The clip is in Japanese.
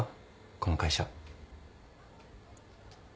この会社。